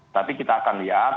tapi kita akan lihat